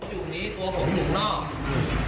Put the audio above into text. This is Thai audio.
อยู่นี้ตัวผมอยู่ข้างนอกอืม